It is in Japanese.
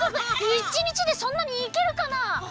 １にちでそんなにいけるかな？